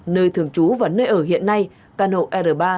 nơi thường trú và nơi ở hiện nay căn hộ r ba tám trăm hai mươi sáu